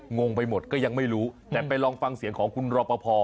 งงไปหมดก็ยังไม่รู้แต่ไปลองฟังเสียงของคุณรอปภ